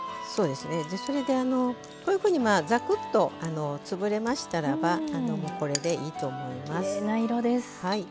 それで、こういうふうにざくっと潰れましたらばこれでいいと思います。